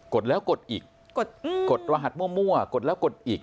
ดแล้วกดอีกกดรหัสมั่วกดแล้วกดอีก